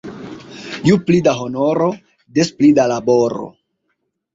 Ju pli da honoro, des pli da laboro.